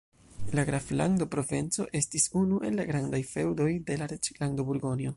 La graflando Provenco estis unu el la grandaj feŭdoj de la reĝlando Burgonjo.